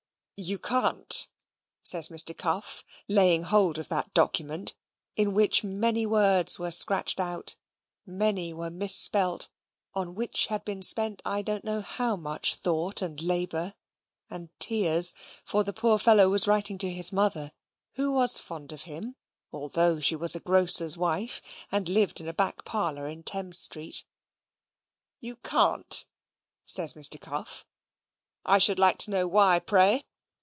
"You CAN'T?" says Mr. Cuff, laying hold of that document (in which many words were scratched out, many were mis spelt, on which had been spent I don't know how much thought, and labour, and tears; for the poor fellow was writing to his mother, who was fond of him, although she was a grocer's wife, and lived in a back parlour in Thames Street). "You CAN'T?" says Mr. Cuff: "I should like to know why, pray?